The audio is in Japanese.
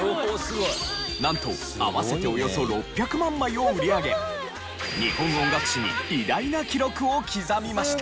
なんと合わせておよそ６００万枚を売り上げ日本音楽史に偉大な記録を刻みました。